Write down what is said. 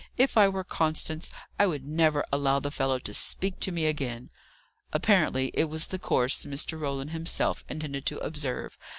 If I were Constance, I would never allow the fellow to speak to me again." Apparently it was the course Mr. Roland himself intended to observe.